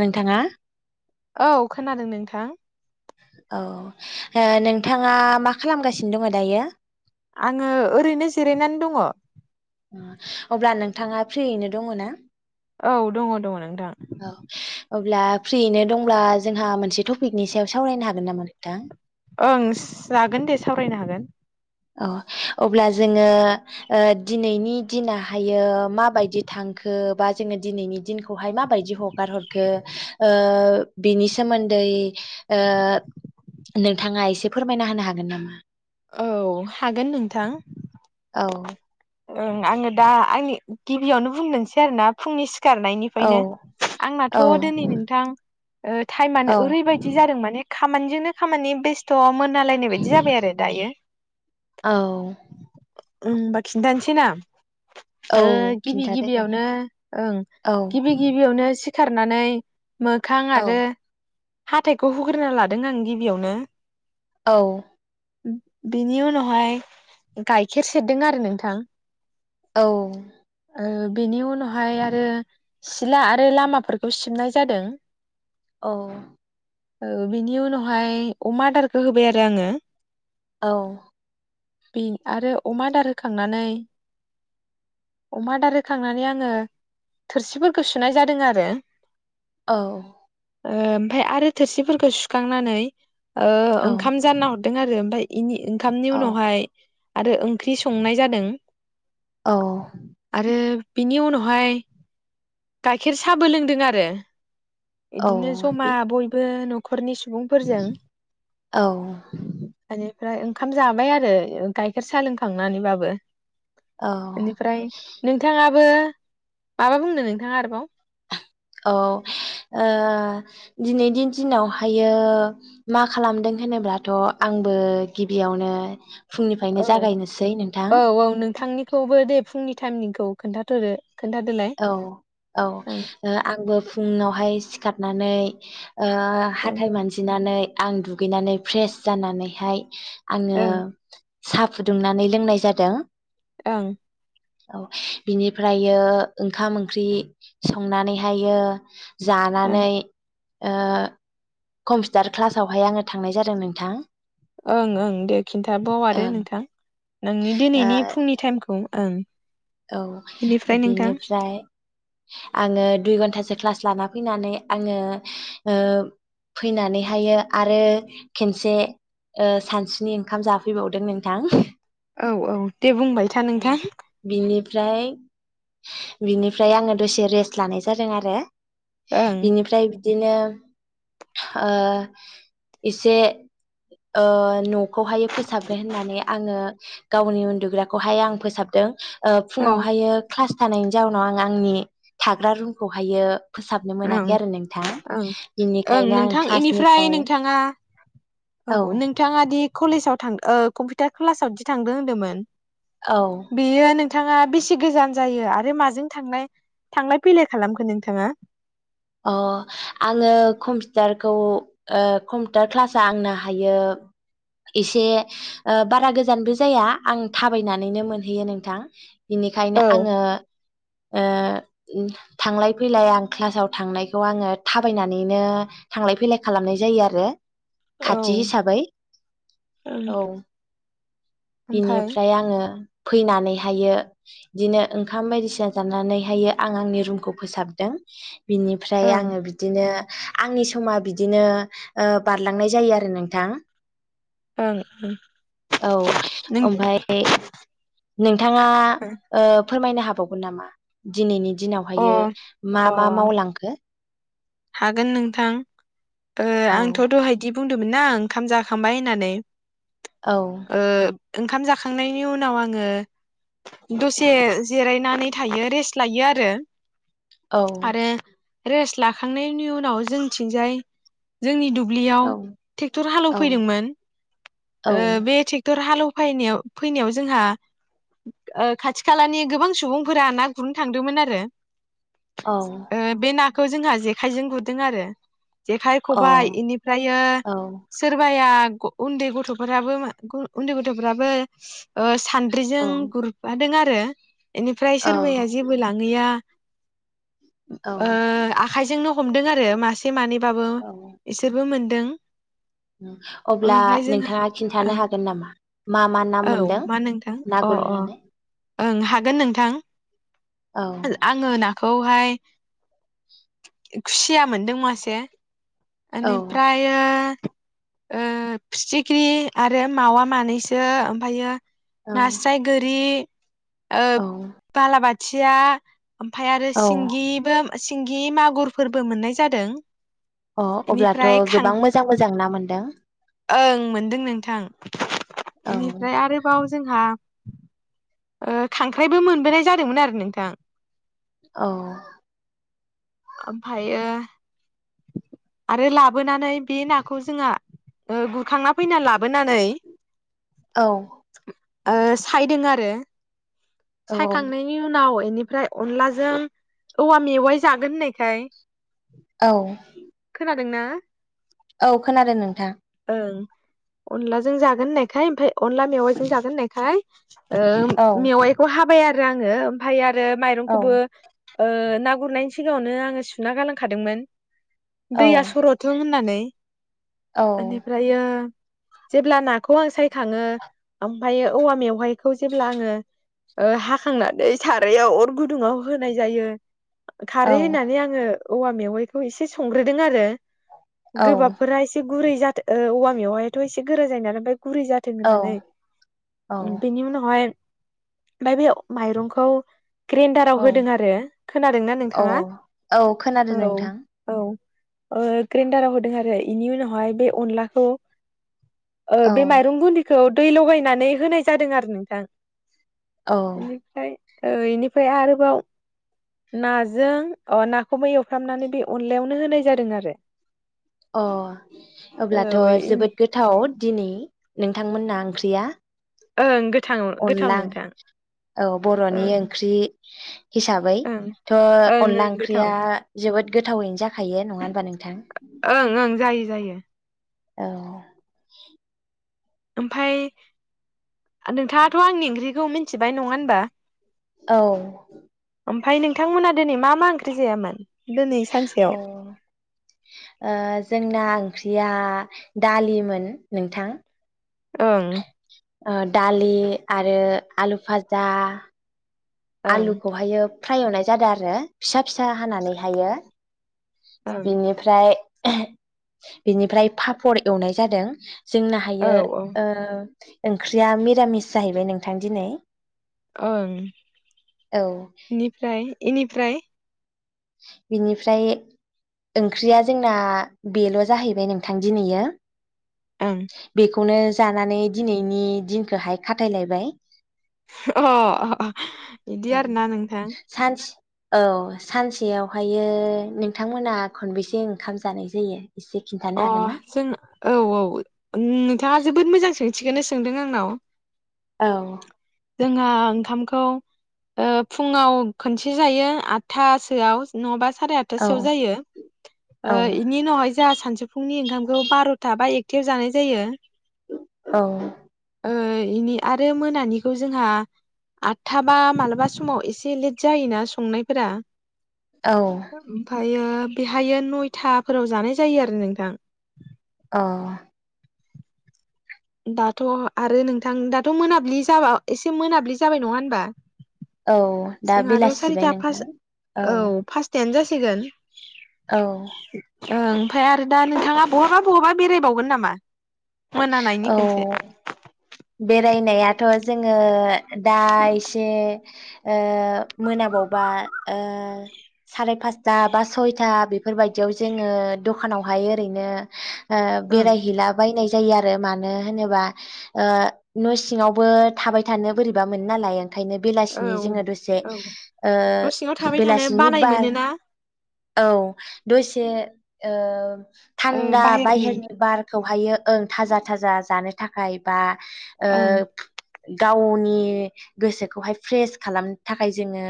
नोंथाङा औ खोनादों नोंथ थां औ ओ नोंथाङा मा खालामगासिनो दङ दायो? आङो ओरैनो जिरायनानै दङ। अब्ला नोंथाङा फ्रियैनो दङ ना? औ दंङ दंङ नों औ अब्ला फ्रियैनो दंब्ला जोंहा मोनसे टपिकनि सायाव सावरायनो हागोन नामा नोंथां? ओं जागोन दे सावरायनो हागोन। औ अब्ला जोंङो दिनैनि दिनहायो माबायदि थांखो बा जोंङो दिनैनि दिनखौहाय मा बायदि हगार हरखो ओ बिनि सोमोन्दै ओ नोंथाङा एसे फोरमायना होनो हागोन नामा? औ हागोन नोंथां औ ओं। आंङो दा आंनि गिबियावनो बुंदोंसै आरो ना फुंनि सि औ सिखारनायनिफ्रायनो आंनाथ औ दिनै नोंथां औ टाइमानो ओरैबायदि जादों माने खामानिजोंनो खामानि बेस्थ मोन नलायनाय बायदि जाबाय आरो। दायो औ उम होनबा खिन्थानोसै ना औ ओ गिबि खिन्थादो दे गिबियावनो ओं औ गिबि गिबियावनो सि खारनानै मोखां औ आरो हाथाइखौ हुग्रोना लादों आं गिबियावनो। औ बिनि उनावहाय गाइखेर सेरदों आरो नोंथां। औ ओ बेनि उन नहाय आरो सिला आरो लामाफोरखौ सिबनाय जादों। औ ओ बिनि उनावहाय अमा आदारखौ होबाय आरो आंङो। औ बे आरो अमा आदार होखांनानै अमा आदार होखांनानै आंङो थोरसिफोरखौ सुनाय जादों आरो। औ ओमफाय आरो थोरसिफोरखौ सुखांनानै ओ औ ओंखाम जानना हर ओमफाय इनि ओंखामनि औ उनावहाय आरो ओं ओंख्रि संनाय जादों औ आरो बिनि उनावहाय गाइखेर साबो लोंदों आरो। औ बिदिनो जमा बे बयबो न खरनि सु सुबुंफोरजों औ माने ओमफ्राय ओंखाम जाबाय आरो गाइखेर साहा लोंखांनानैबाबो। औ बेनिफ्राय नोंथांङा बो माबा बुंनो नोंथाङा आरोबाव? औ ओ दिनैनि दिनावहायो मा खालामदों होनोब्लाथ' आंबो गिबियावनो फुंनिफ्रायनो औ जागायनोसै नोंथां औ औ नोंथांनिखौबो दे फुंनि टाइमिंखौ खोन्थाथ'दो। खोन्थादोलाय औ ओं औ आंबो फुुङावहाय सिखार नानै ओ ओं हाथाइ मानजिनानै आं दुगैनानै फ्रेस जानानैहाय आङो ओं साहा फुदुंनानै लोंनाय जादों। ओं। औ बिनिफ्रायो ओंखाम ओंख्रि संनानैहायो ओं जानानै ओ कम्पिउटार क्लासावहाय आंङो थांनाय जादों नोंथां। ओं ओं दे खिन्थाबाव आरो ओं नोंथां नोंनि दिनैनि फुंनि टाइमखौ। ओं। औ बेनिफ्राय नोंथां बिनिफ्राय आंङो दुइ घन्टासो क्लास लाना फैनानै आंङो ओ फैनानैहायो आरो खनसे ओ सानसुनि ओंखाम जाफैबावदों नोंथां। औ औ। दे बुंबाय था नोंथां। बिनिफ्राय बिनिफ्राय आंङो दसे रेस्ट लानाय जादों आरो। ओं बिनिफ्राय बिदिनो ओ इसे ओ न' खौहायो फोसाबनो होननानै आंङो गावनि उनदुग्रा खौहाय आं फोसाबदों। ओ औ फुङावहायो क्लास थानायनि जाउनाव आं आंनि थाग्रा रुमखौहायो फोसाबनो ओं मोनाखै आरो नोंथां ओं ओं बेनिखायनो आं नोंथां इनिफ्राय क्लासनिफ्राय नोंथाङा औ। नोंथाङा दि कलेजाव थां ओ कम्पिउटार क्लासाव बिदि थांदों होन्दोंमोन? औ बियो नों थाङा बेसे गोजान जायो। आरो माजों थांनाय थांलाय फैलाय खालामखो नोंथाङा? अ' आङो कम्पिउटारखौ ओ कम्पिउटार क्लासा आंनाहायो एसे ओ बारा गोजानबो जाया आं थाबायनानैनो मोनहैयो नोंथां। बिनिखायनो औ आङो ओ उम थांलाय फैलाय आं क्लासाव थांनायखौ आङो थाबायनानैनो थांलाय फैलाय खालामनाय जायो आरो। खाथि ओं हिसाबै औ ओमफाय बिनिफ्राय आङो फैनानैहायो बिदिनो ओंखाम बायदिसिना जानानैहायो आं आंनि रुमखौ फोसाबदों। बिनिफ्राय ओं आङो बिदिनो आंनि समा बिदिनो ओ बारलांनाय जायो आरो नोंथां। ओं ओं औ नों ओमफाय नोंथाङा अ ओ फोरमायनो हाबावगोन नामा दिनैनि दिनावहायो मा अ मा मावलांखो? हागोन नोंथां। ओ औ आंथ' दहायदि बुं दोमोन ना ओंखाम जाखांबाय होननानै। औ ओ ओंखाम जाखांनायनि उनाव आङो दसे जिरायनानै थायो रेस्ट लायो आरो। औ रेस लाख खांनायनि उनाव जोंथिंजाय जोंनि दुब ब्लियाव औ थेगथर हालौ औ फैदों मोन औ ओ बे थेगथर हालौ फायनायाव फैनायाव जोंहा ओ खाथि खालानि गोबां सुबुंफोरा ना गुरनो थांदोंमोन आरो औ अ ओ बे ना खौ जोंहा जेखायजों गुरदों आरो। जेखाइ, खबाइ औ इनिफ्रायो सोरबाया ग' उन्दै गथ'फोराबो मा ग' उन्दै गथ'फोराबो ओ सान्द्रिजों गुरफादों आरो। [unintelligible] एनिफ्राय सोरबाया जेबो लाङैआ औ ओ आख आइजोंनो हमदों आरो मासे मानैबाबो औ बिसोरबो मोनदों अब्ला ओमफ्राय जोंहा नोंथाङा ओं खिन्थानो हागोन नामा मा मा ना औ मोनदों मा नोंथां ना अ अ गुरनानै ओं हागोन नोंथां औ आंङो ना खौहाय खुसिया मोनदों मासे औ एनिफ्राययो ओ फिथिख्रि आरो मावा मानैसो ओमफायो औ नास्राय गोरि ओ औ बालाबा थिया ओमफाय आरो औ सिंगिबो सिं गि मागुरफोरबो मोननाय जादों। अ अब्लाथ' इनिफ्राय थां गोबां मोजां मोजां ना मोनदों ओं मोनदों नोंथां औ इनिफ्राय आरोबाव जोंहा ओ खांख्राइबो मोनबोनाय जादोंमोन आरो नोंथां। औ ओमफायो आरो लाबोनानै बे नाखौ जोंहा ओ गुरखांना फैना लाबोनानै औ ओ सायदों आरो औ सायखांनायनि उनाव एनि फ्राय अनलाजों औवा मेवाइ जागोन होननायखाय औ खोनादोंना? औ खोनादों नोंथां। ओं अनलाजों जागोन होननायखाय ओमफाय अनला मेवाइजों जागोन होननायखाय ओ औ मेवाइखौ हाबाय आ रो आङो आमफाय आ रो औ माइरंखौबो ओ ना गुरनायनि सिगाङावनो आङो सुना गालांखादोंमोन औ दैया सर'थों होननानै [unintelligible] औ ओनिफ्रायो जेब्ला नाखौ आं सायखाङो ओमफायो औवा मेवहाय खौ जेब्ला आङो ओ हाखांनानै सारायाव अर गुदुङाव होनाय जायो। औ खारै होननानै आङो औवा मेवाइखौ एसे संग्रोदों आरो। गोबाबफोरा एसे गुरै जाथो ओ औवामेवायाथ' एसे गोरा जायो ना ओमफाय गुरै जाथों औ होननानै औ बेनि उनावहाय ओमफ्राय बे माइरंखौ ग्रेन्डाराव होदों आरो खोनादोंना औ नोंथाङा औ खोनादों औ नोंथां औ ओ ग्रेन्डाराव होदों आरो इनि उनावहाय बे अनलाखौ ओ औ बे माइरं गुन्दिखौ दै लगायनानै होनाय जादों आरो नोंथां औ बेनिफ्राय ओ इनिफ्राय आरोबाव नाजों नाखौबो एवफ्रामनानै बे अनलायावनो होनाय जादों आरो अ अब्लाथ' औ इन जोबोद गोथाव दिनै नों नोंथांमोना ओंख्रिया ओं गो अनला औ बर'नि ओं ओंख्रि हिसाबै ओं थ' ओं ओं अनला ओंख्रिया गोथाव जोबोद गोथावैनो जाखायो नङा होमबा नोंथां। ओं ओं जायो जायो। औ ओमफाय नोंथाङाथ' आंनि ओंख्रिखौ मिथिबाय नङा होनबा औ ओमफाय नोंथांमोना दिनै मा मा ओंख्रि जायामोन। दिनै अ सानसेयाव जोंनां ओंख्रिया दालिमोन नोंथां ओं दालि आरो आलु फाजा ओं आलुखौहायो फ्राय एवनाय जादों आरो फिसा फिसा हानानै हायो। ओं बिनिफ्राय बिनिफ्राय पापर एवनाय जादों जोंनो हायो। औ औ ओंख्रिया मिरामिस जाहैबाय नोंथां दिनै। ओं औ इनिफ्राय इनिफ्राय बिनिफ्राय ओंख्रिया जोंना बेल' जाहैबाय नोंथां दिनैयो ओं। खौनो जानानै दिनैनि दिनखौहाय खाथायलायबाय। अ बिदि आरो ना नोंथां। सानसे औ सानसे सेयावहायो नोंथांमोना खनबेसे ओंखाम जानाय जायो? एसे खिन्थानो अ हागोन ना? जों औ औ नोंथाङा जोबोद मोजां सों थिखोनो सोंदों आंनाव। औ। जोंहा ओंखामखौ ओ फुङाव खनसे जायो आदथासोआव नङाबा साराय औ आठथाासोआव जायो औ इनि उनावहाय जोंहा सानसौफुंनि ओंखामखौ बार'था बा एक खाथियाव जानाय जायो। औ। ओ इनि आरो मोनानि बेखौ जोंहा आठथा बा मालाबा समाव एसे लेट जायोना संनायफोरा औ ओमफायो बेहायो नयथाफोराव जानाय जायो आरो नोंथां। औ। दाथ' आरो नोंथां दाथ' मोनाब्लि जाबा एसे मोनाब्लि जाबाय नङा होनबा। औ दा जोंहाथ' बेलासिबाय सारिथा नोंथा औ। गोन। औ। ओं ओमफ्राय आरो दा नोंथाङा बहाबा बहाबा बेरायबावगोन नामा? मोनानायनि खोनसे। औ बेरायनायाथ' जोङो दा एसे ओ मोनाबावबा ओ सारि पासथा बा सयथा बेफोरबायदियाव जोङो दखानावहाय ओरैनो ओ ओं बेरायहैलाबायनाय जायो आरो मानो होनोबा ओ न' सिङावबो थाबाय थानो बोरैबा मोनो नालाय आं ओंखायनो औ बेलासिनि जोङो दसे औ न' सिङाव थाबाय थानो बेलासिनि बानाय बार मोनोना औ दसे ओं। थान्दा बाहेरनि बार खौहायो ओं थाजा थाजा जानो थाखाय बा ओ ओं गावनि गोसोखौहाय फ्रेस खालामनो थाखाय जोङो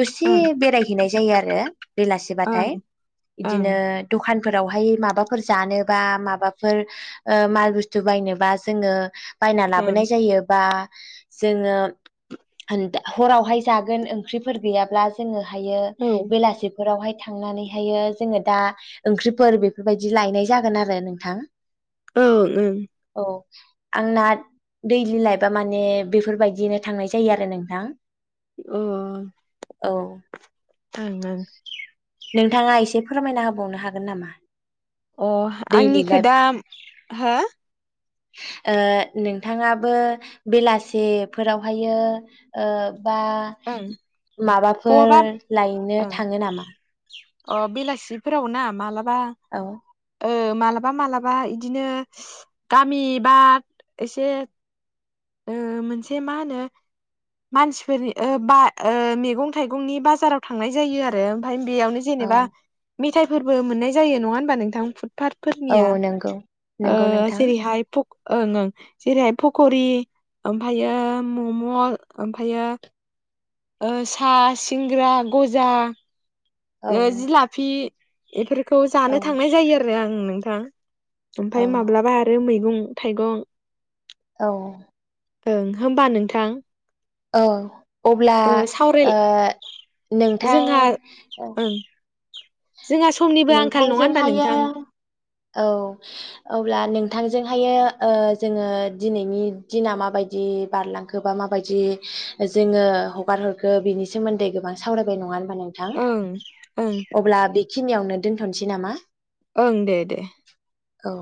दसे ओं बेरायहैनाय जायो आरो [unintelligible] ओं बेलासेबाथाय बिदिनो ओं दखान फोरावहाय माबाफोर जानो बा माबाफोर ओ माल बुस्थु बायनोबा जोङो बायना ओं लाबोनाय जायो बा जोङो हरावहाय जागोन ओंख्रिफोर गैयाब्ला जोङो हायो औ बेलासि बेफोरावहाय थांनानैहायो जोङो दा ओंख्रिफोर बेफोरबायदि लायनाय जागोन आरो नोंथां ओं ओं औ आंना दैलि लाइफा माने बेफोरबायदिनो थांनाय जायो आरो नोंथां उ ओं औ ओं नोंथाङा एसे फोरमायना होबावनो हागोन नामा? अ दैलि आंनिखौ लाइफ दा हो ओ नोंथाङाबो बेलासिफोरावहायो बा ओं माबाफोर बहाबा लायनो ओं थाङो नामा? अ बेलासिफोराव ना मालाबा औ बा औ मालाबा मालाबा इदिनो गामि बा एसे ओ मोनसे मा होनो मानसिफोरनि ओ बा मैगं थाइगंनि बाजाराव थांनाय जायो आरो ओमफ्राय बेयावनो औ जेनेबा मेथाइफोरबो मोननाय जायो नङा होनबा नोंथां पार औ फोरनिया नंगौ ओ नंगौ नोंथां जेरैहाय पक ओं ओं जेरैहाय पकरि ओमफ्रायो मम' ओमफायो ओ सा सिंग्रा गजा औ ओ जिलाफि एफोर खौ जानो औ थांनाय जायो आरो आं ओम नोंथां औ ओमफाय माब्लाबा आरो मैगं थाइगं औ ओं होमबा नोंथां औ अब्ला ओ सावराय ओ नोंथां जोंहा ओं जोंहा समनिबो आंखाल नङा होनबा नोंथां? औ अब्ला नोंथांजोंहायो ओ जोङो दिनैनि दिना माबायदि बारलांखो बा माबायदि जोङो हगार हरखो बिनि सोमोन्दै गोबां सावरायबाय नङा ओं ओं। दा बेखिनियावनो दोनथ'नोसै नामा? ओं दे दे। औ।